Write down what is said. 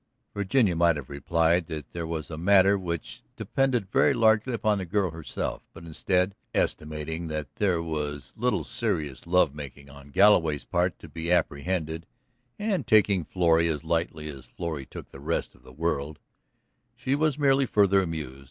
Virginia might have replied that here was a matter which depended very largely upon the girl herself; but instead, estimating that there was little serious love making on Galloway's part to be apprehended and taking Florrie as lightly as Florrie took the rest of the world, she was merely further amused.